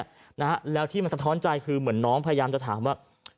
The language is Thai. นะฮะแล้วที่มันสะท้อนใจคือเหมือนน้องพยายามจะถามว่า